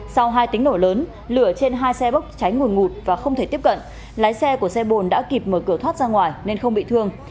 sau hai tiếng nổ lớn lửa trên hai xe bốc cháy ngủn ngụt và không thể tiếp cận lái xe của xe bồn đã kịp mở cửa thoát ra ngoài nên không bị thương